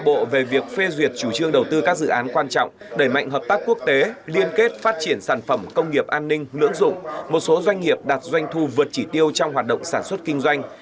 bộ về việc phê duyệt chủ trương đầu tư các dự án quan trọng đẩy mạnh hợp tác quốc tế liên kết phát triển sản phẩm công nghiệp an ninh lưỡng dụng một số doanh nghiệp đạt doanh thu vượt chỉ tiêu trong hoạt động sản xuất kinh doanh